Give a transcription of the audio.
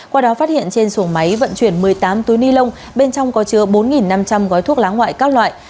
qua đó phát hiện trên xuồng máy vận chuyển một mươi tám túi ni lông bên trong có chứa bốn năm trăm linh gói thuốc lá ngoại các loại